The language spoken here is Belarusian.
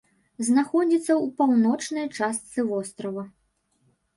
Знаходзіцца ў паўночнай частцы вострава.